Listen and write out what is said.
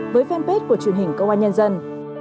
với fanpage của truyền hình công an nhân dân